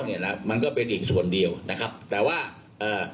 เนี้ยนะมันก็เป็นอีกส่วนเดียวนะครับแต่ว่าเอ่อ